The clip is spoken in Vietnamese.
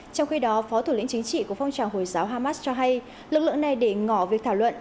trong khi đó phó thủ lĩnh chính trị của phong trào hồi giáo hamas cho hay lực lượng này để ngỏ việc thảo luận